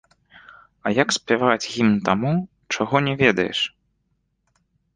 А як спяваць гімн таму, чаго не ведаеш?